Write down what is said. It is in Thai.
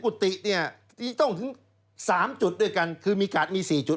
กุฏิเนี่ยจะต้องถึง๓จุดด้วยกันคือมีกาดมี๔จุด